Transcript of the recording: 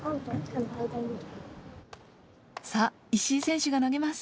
さあ石井選手が投げます。